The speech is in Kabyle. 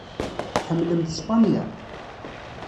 Tḥemmlemt Spanya?